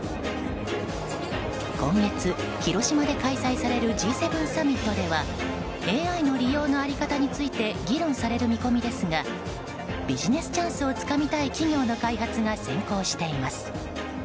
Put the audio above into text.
今月、広島で開催されるＧ７サミットではＡＩの利用の在り方について議論される見込みですがビジネスチャンスをつかみたい企業の開発が先行しています。